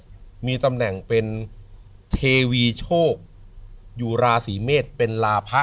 หรือมายาเนี่ยมีตำแหน่งเป็นเทวีโชคอยู่ราศรีเมษเป็นราพะ